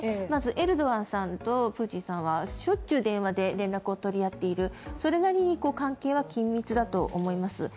まず、エルドアンさんとプーチンさんはしょっちゅう電話で連絡を取り合っている、それなりに関係は緊密だと思います。